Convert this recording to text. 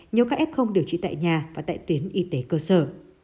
nhiều ca ép không điều trị tại nhà và tại tuyến y tế cơ sở